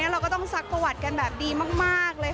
เราก็ต้องซักประวัติกันแบบดีมากเลยค่ะ